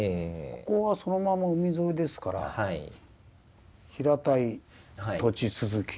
ここはそのまま海沿いですから平たい土地続き。